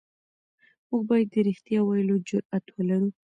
موږ بايد د رښتيا ويلو جرئت ولرو.